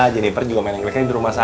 jeniper juga main engkleknya di rumah saya